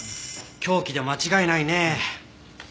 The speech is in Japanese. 凶器で間違いないね。